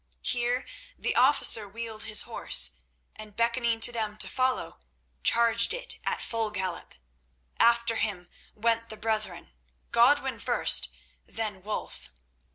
Here the officer wheeled his horse, and, beckoning to them to follow, charged it at full gallop. After him went the brethren—Godwin first, then Wulf.